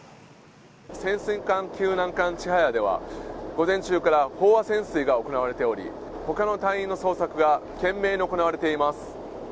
潜水艦救難艦「ちはや」では午前中から飽和潜水が行われており他の隊員の捜索が懸命に行われています。